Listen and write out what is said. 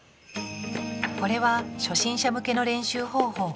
これは初心者向けの練習方法。